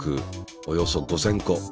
およそ５，０００個。